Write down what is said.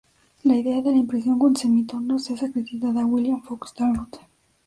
La idea de la impresión con semitonos es acreditada a William Fox Talbot.